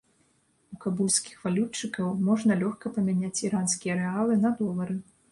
У кабульскіх валютчыкаў можна лёгка памяняць іранскія рэалы на долары.